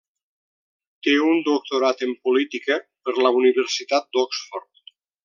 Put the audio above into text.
Té un doctorat en política per la Universitat d'Oxford.